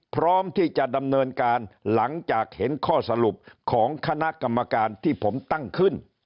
พร้อมที่จะดำเนินการหลังจากเห็นข้อสรุปของคณะกรรมการที่ผมตั้งขึ้น